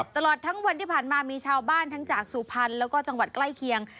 ตลอดทั้งวันที่ผ่านมามีชาวบ้านทั้งจากสุพรรณแล้วก็จังหวัดใกล้เคียง